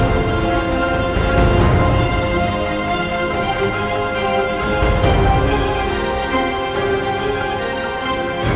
terima kasih pak reja